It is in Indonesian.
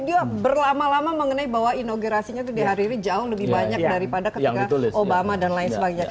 dia berlama lama mengenai bahwa inaugurasinya di hari ini jauh lebih banyak daripada ketika obama dan lain sebagainya